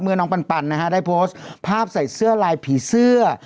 น้องปันนะฮะได้โพสต์ภาพใส่เสื้อลายผีเสื้อ